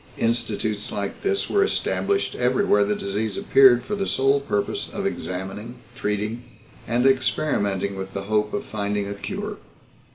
Institutes like this were established everywhere the disease appeared for the sole purpose of examining, treating, and experimenting with the hope of finding a cure.